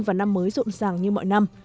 vào năm mới rộn ràng như mọi năm